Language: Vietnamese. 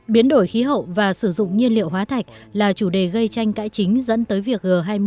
biến đổi khí hậu và sử dụng nhiên liệu hóa thạch là chủ đề gây tranh cãi chính dẫn tới việc g hai mươi